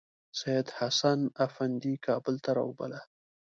سیدحسن افندي کابل ته راوباله.